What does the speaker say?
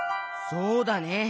そうだね。